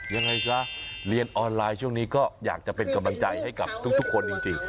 ยังไงซะเรียนออนไลน์ช่วงนี้ก็อยากจะเป็นกำลังใจให้กับทุกคนจริง